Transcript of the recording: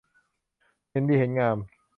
เห็นดีเห็นงาม